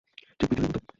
ঠিক পৃথিবীর মত!